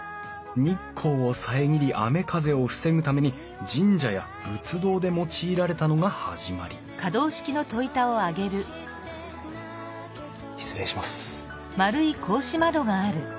日光を遮り雨風を防ぐために神社や仏堂で用いられたのが始まり失礼します。